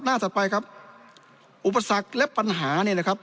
หน้าต่อไปครับอุปสรรคและปัญหาเนี่ยนะครับ